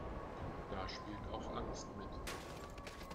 Da spielte auch Angst mit.